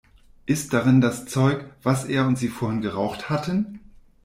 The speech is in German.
Ist darin das Zeug, was er und sie vorhin geraucht hatten?